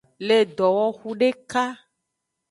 Le dowoxu deka.